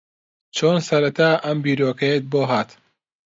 چۆن سەرەتا ئەم بیرۆکەیەت بۆ ھات؟